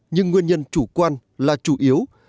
nhưng nguyên nhân chủ quan là chủ yếu